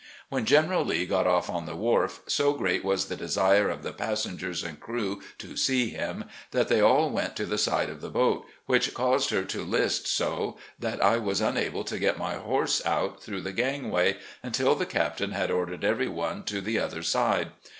When General Lee got off on the wharf, so great was the desire of the passengers and crew to see him, that they all went to the side of the boat, which caused her to list so that I was unable to get my horse out through the gang way until the captain had ordered every one to the other side.